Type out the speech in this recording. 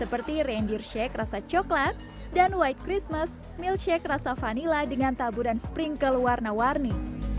seperti rainer shake rasa coklat dan white christmas mill shake rasa vanila dengan taburan sprinkle warna warni